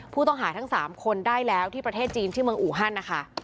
ผู้ต้องหาทั้ง๓คนได้แล้วที่ประเทศจีนชื่อเมืองอูฮันนะคะ